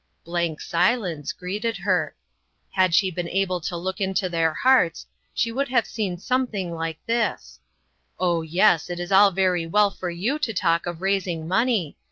Blank silence greeted her. Had she been IOO INTERRUPTED. able to look into their hearts, she would have seen something like this : Oh, yes ! it is all very well for you to talk of raising money.